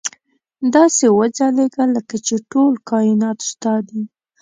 داسې وځلېږه لکه چې ټول کاینات ستا دي.